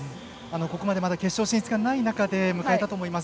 ここまでまだ決勝進出がない中で迎えたと思います。